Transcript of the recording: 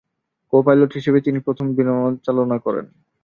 Co-pilot হিসেবে তিনি প্রথম বিমান চালনা করেন।